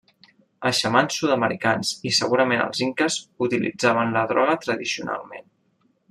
Els xamans sud-americans i segurament els inques, utilitzaven la droga tradicionalment.